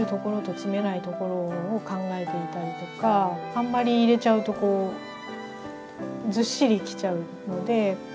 あんまり入れちゃうとこうずっしりきちゃうので。